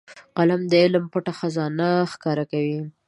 قلم د علم پټ خزانه ښکاره کوي